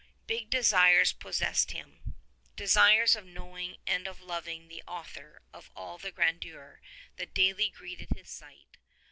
Big desires possessed him — desires of knowing and of loving the Author of all the grandeur that daily greeted his sight.